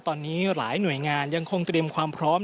ตอนนี้หลายหน่วยงานยังคงเตรียมความพร้อม